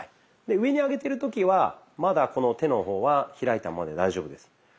上に上げてる時はまだこの手の方は開いたままで大丈夫です。